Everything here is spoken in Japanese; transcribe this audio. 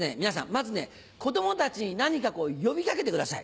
まずね子供たちに何か呼びかけてください。